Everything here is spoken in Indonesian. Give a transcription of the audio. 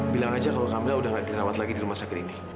bilang aja kalau kami udah nggak dirawat lagi di rumah sakit ini